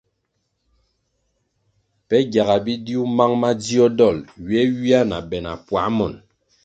Pe gyaga bidiu mang madzio dolʼ ywe ywia na be na puā monʼ.